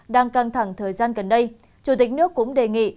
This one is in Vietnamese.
đang căng thẳng thời gian gần đây chủ tịch nước cũng đề nghị